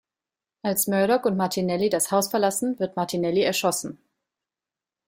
Als Murdock und Martinelli das Haus verlassen, wird Martinelli erschossen.